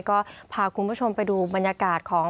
ก็พาคุณผู้ชมไปดูบรรยากาศของ